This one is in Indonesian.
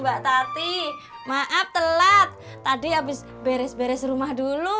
mbak tati maaf telat tadi habis beres beres rumah dulu